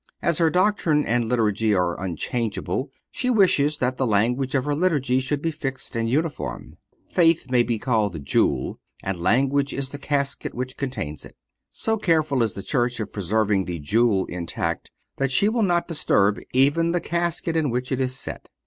As her doctrine and liturgy are unchangeable, she wishes that the language of her Liturgy should be fixed and uniform. Faith may be called the jewel, and language is the casket which contains it. So careful is the Church of preserving the jewel intact that she will not disturb even the casket in which it is set.